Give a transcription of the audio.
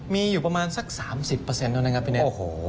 มีอยู่ประมาณสัก๓๐แล้วนะครับพี่เน็ต